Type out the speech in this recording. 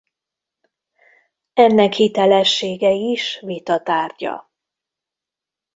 Ennek hitelessége is vita tárgya.